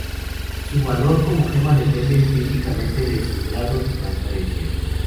Su valor como gema depende críticamente de su grado de transparencia.